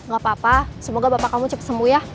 gak apa apa semoga bapak kamu cepat sembuh ya